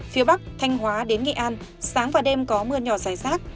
phía bắc thanh hóa đến nghệ an sáng và đêm có mưa nhỏ dài rác